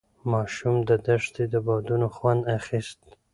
ماشوم د دښتې د بادونو خوند اخیست.